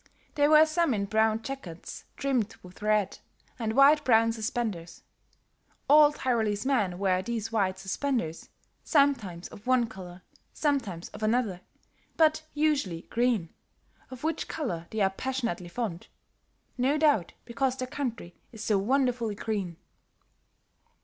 There were some in brown jackets trimmed with red, and wide brown suspenders; all Tyrolese men wear these wide suspenders, sometimes of one color, sometimes of another, but usually green, of which color they are passionately fond, no doubt because their country is so wonderfully green.